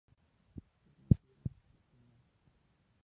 Es nativa de Filipinas.